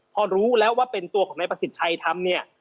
พอรู้แล้วว่าเป็นตัวของนายประสิทธิ์ชัยทำเนี่ย